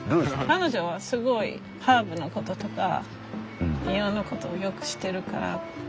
彼女はすごいハーブのこととか庭のことよく知ってるから。